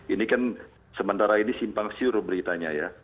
ini kan sementara ini simpang siur beritanya ya